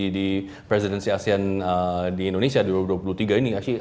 di presidensi asean di indonesia dua ribu dua puluh tiga ini gak sih